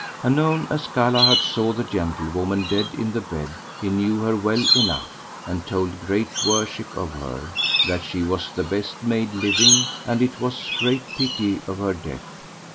Anon, as Galahad saw the gentlewoman dead in the bed, he knew her well enough, and told great worship of her, that she was the best maid living, and it was great pity of her death.